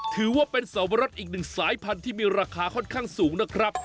ถือว่าเป็นสวรสอีกหนึ่งสายพันธุ์ที่มีราคาค่อนข้างสูงนะครับ